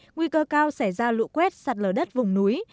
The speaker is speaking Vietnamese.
nguy cơ cao xảy ra lũ quét sạt lở đất vùng núi